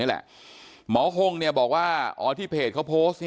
หมอโฮงบอกว่าที่เพจเขาโพสต์